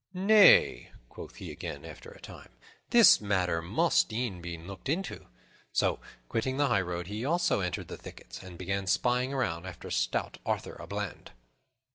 "Nay," quoth he again, after a time, "this matter must e'en be looked into." So, quitting the highroad, he also entered the thickets, and began spying around after stout Arthur a Bland.